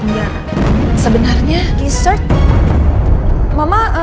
eh iyo beresah juga